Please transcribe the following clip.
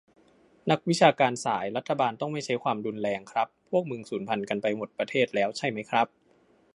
นักวิชาการสาย "รัฐบาลต้องไม่ใช้ความรุนแรง" ครับ พวกมึงสูญพันธุ์กันไปหมดประเทศแล้วใช่มั้ยครับ ?